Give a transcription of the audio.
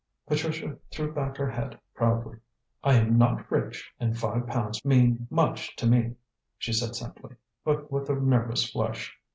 Patricia threw back her head proudly. "I am not rich, and five pounds mean much to me," she said simply, but with a nervous flush.